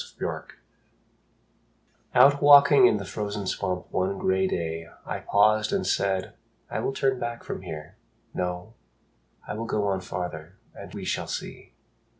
The Wood pile OUT walking in the frozen swamp one grey day I paused and said, "I will turn back from here. No, I will go on farther and we shall see."